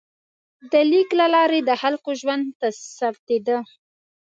د لیک له لارې د خلکو ژوند ثبتېده.